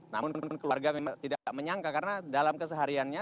namun keluarga memang tidak menyangka karena dalam kesehariannya